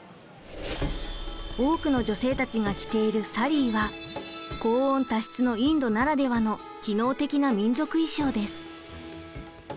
多くの女性たちが着ているサリーは高温多湿のインドならではの機能的な民族衣装です。